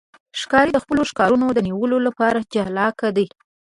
ښکاري د خپلو ښکارونو د نیولو لپاره چالاک دی.